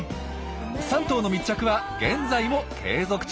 ３頭の密着は現在も継続中。